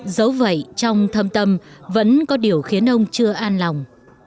dẫu vậy trong thâm tâm vẫn có điều khiến ông chưa an lòng